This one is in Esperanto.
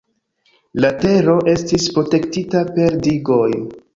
La tero estis protektita per digoj.